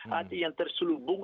hati yang terselubung